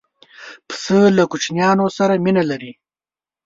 پسه له کوچنیانو سره مینه لري.